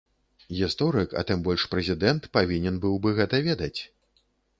Гісторык, а тым больш прэзідэнт павінен быў бы гэта ведаць.